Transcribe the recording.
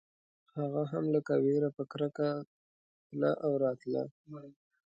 هغه هم لکه وېره په کرکه تله او راتله.